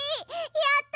やった！